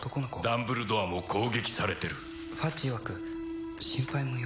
ダンブルドアも攻撃されてる「ファッジいわく心配無用」